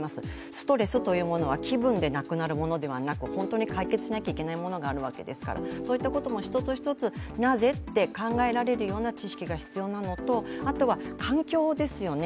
ストレスというものは気分でなくなるものではなく本当に解決しなきゃいけないものがあるわけですから、そういったことも一つ一つなぜ？って考えられるような知識が必要なのとあとは環境ですよね。